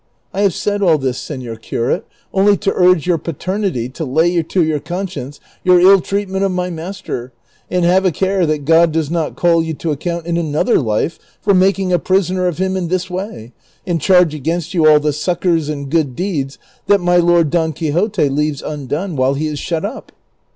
I have said all this, senor curate, only to urge your paternity '^ to lay to your conscience your ill treatment of my master ; and have a care that God does not call you to account in another life for making a prisoner of him in this way, and charge against you all the succors and good deeds that my lord Don Quixote leaves undone while he is shut up."